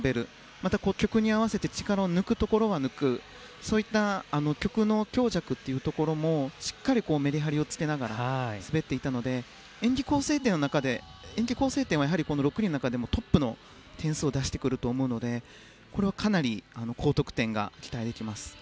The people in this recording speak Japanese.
また、曲に合わせて力を抜くところは抜くそういった曲の強弱もしっかりメリハリをつけながら滑っていたので演技構成点はやはりこの６人の中でもトップの点数を出してくると思うのでかなり高得点が期待できます。